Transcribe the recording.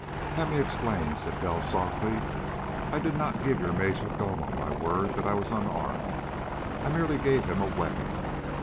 "Let me explain," said Bell softly. "I did not give your major domo my word that I was unarmed. I merely gave him a weapon.